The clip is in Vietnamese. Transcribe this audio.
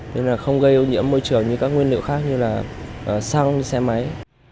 nên là không gây ô nhiễm môi trường như các nguyên liệu khác như là xăng xe máy